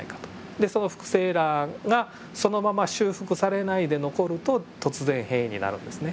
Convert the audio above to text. でその複製エラーがそのまま修復されないで残ると突然変異になるんですね。